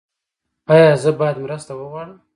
ایا زه باید مرسته وغواړم؟